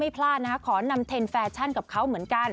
ผ้านำเทรนด์ฟาชั่นกับเขากันเหมือนกัน